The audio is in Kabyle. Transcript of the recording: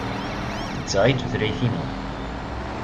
D ta ay d tutlayt-inu.